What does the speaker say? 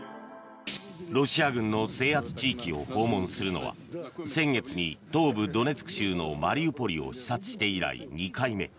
ロシア軍の制圧地域を訪問するのは先月に東部ドネツク州のマリウポリを視察して以来２回目。